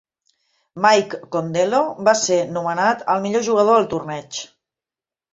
Mike Condello va ser nomenat el millor jugador del torneig.